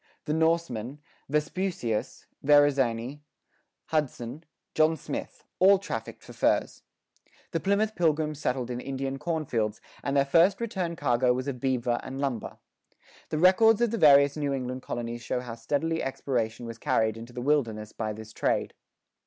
The Norsemen, Vespuccius, Verrazani, Hudson, John Smith, all trafficked for furs. The Plymouth pilgrims settled in Indian cornfields, and their first return cargo was of beaver and lumber. The records of the various New England colonies show how steadily exploration was carried into the wilderness by this trade.